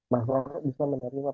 makhluk bisa menerima